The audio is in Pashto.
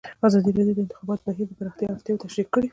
ازادي راډیو د د انتخاباتو بهیر د پراختیا اړتیاوې تشریح کړي.